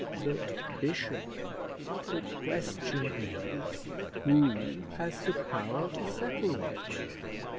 "But, bishop, the question is, who has the power to settle it?